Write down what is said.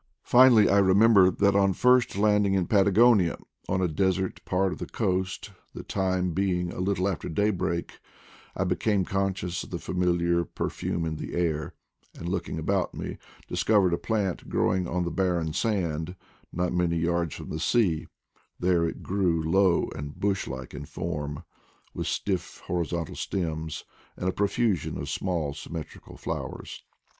Finally, I remember that on first landing in Patagonia, on a desert part of the coast, the time being a little after daybreak, I became conscious of the familiar perfume in the air, and, looking about me, discovered a plant growing on the barren sand not , many yards from thq sea ; there it grew, low and bush like in form, with stiff PERFUME OF AN EVENING PRIMROSE 233 horizontal stems and a profusion of small sym metrical flowers.